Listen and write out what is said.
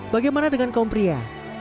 bagaimana dengan kaum pria